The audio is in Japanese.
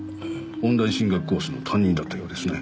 音大進学コースの担任だったようですね。